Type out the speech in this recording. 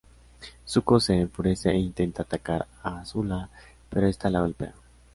Zuko se enfurece e intenta atacar a Azula, pero esta le golpea.